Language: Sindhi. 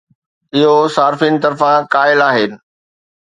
اهو صارفين طرفان قائل آهي